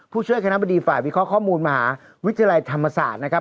ผู้ช่วยคณะบดีฝ่ายวิเคราะห์ข้อมูลมหาวิทยาลัยธรรมศาสตร์นะครับ